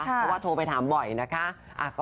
เพราะว่าโทรไปถามบ่อยนะคะ